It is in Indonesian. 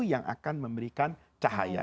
yang akan memberikan cahaya